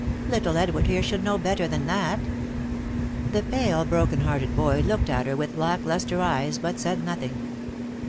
Little Edward here should know better than that." The pale, brokenhearted boy looked at her with lack lustre eyes, but said nothing.